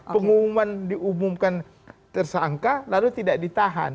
pengumuman diumumkan tersangka lalu tidak ditahan